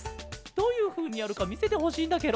どういうふうにやるかみせてほしいんだケロ。